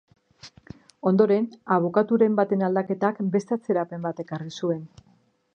Ondoren, abokaturen baten aldaketak beste atzerapen bat ekarri zuen.